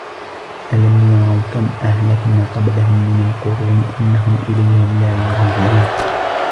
أَلَمْ يَرَوْا كَمْ أَهْلَكْنَا قَبْلَهُمْ مِنَ الْقُرُونِ أَنَّهُمْ إِلَيْهِمْ لَا يَرْجِعُونَ